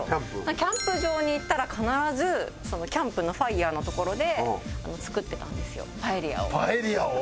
キャンプ場に行ったら必ずキャンプのファイヤーの所で作ってたんですよパエリアを。